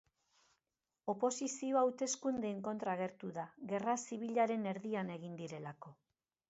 Oposizioa hauteskundeen kontra agertu da, gerra zibilaren erdian egin direlako.